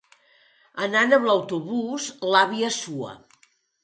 Anant amb l'autobús, l'àvia sua.